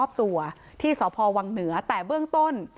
ตัวที่สพวังเหนือแต่เบื้องต้น